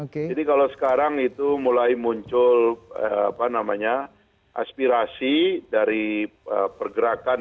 jadi kalau sekarang itu mulai muncul aspirasi dari pergerakan